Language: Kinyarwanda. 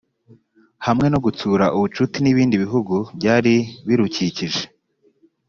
hamwe no gutsura ubucuti n ibindi bihugu byari birukikije